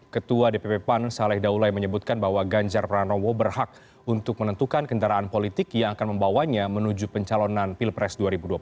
ketua dpp pan saleh daulai menyebutkan bahwa ganjar pranowo berhak untuk menentukan kendaraan politik yang akan membawanya menuju pencalonan pilpres dua ribu dua puluh empat